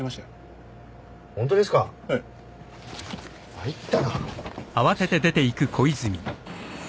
参ったな。